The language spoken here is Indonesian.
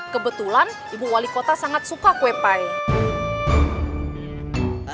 kebetulan ibu wali kota sangat suka kue pie